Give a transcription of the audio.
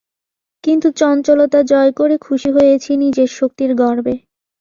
কিন্তু চঞ্চলতা জয় করে খুশি হয়েছি নিজের শক্তির গর্বে।